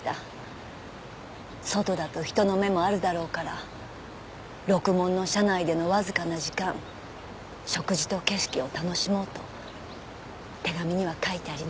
「外だと人の目もあるだろうからろくもんの車内でのわずかな時間食事と景色を楽しもう」と手紙には書いてありました。